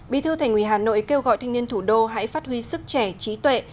bí thư thành ủy hà nội kêu gọi thanh niên thủ đô hãy phát huy sức trẻ trí tuệ